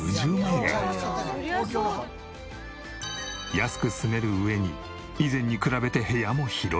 安く住める上に以前に比べて部屋も広い。